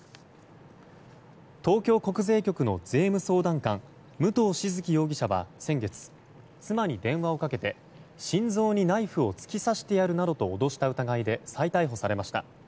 東京国税局の税務相談官武藤静城容疑者は先月妻に電話をかけて心臓にナイフを突き刺してやるなどと脅した疑いで再逮捕されました。